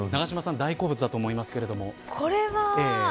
永島さん大好物だと思いますけど。